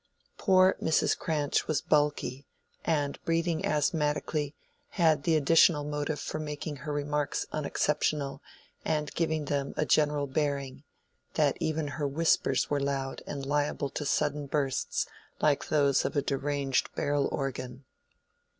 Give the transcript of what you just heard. Poor Mrs. Cranch was bulky, and, breathing asthmatically, had the additional motive for making her remarks unexceptionable and giving them a general bearing, that even her whispers were loud and liable to sudden bursts like those of a deranged barrel organ.